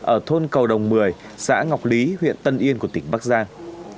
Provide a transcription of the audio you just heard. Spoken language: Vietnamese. ở thôn cầu đồng một mươi xã ngọc lý huyện tân yên của tỉnh bắc giang